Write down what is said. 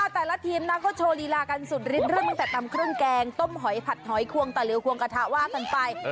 แต่ละทีมมันก็โชว์ลีลากันสุดริดจนมาตั้งแต่ตำขงแกงต้มหอยผัดหอยควงตะลือกควงกระทะวากันไป